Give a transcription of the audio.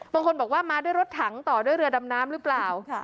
บางคนบอกว่ามาด้วยรถถังต่อด้วยเรือดำน้ำหรือเปล่า